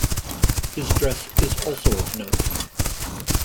His dress is also of note.